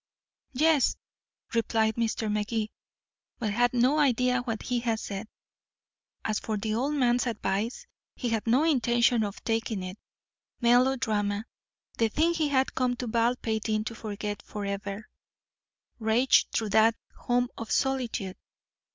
"Yes," replied Mr. Magee, but had no idea what he had said. As for the old man's advice, he had no intention of taking it. Melodrama the thing he had come to Baldpate Inn to forget forever raged through that home of solitude.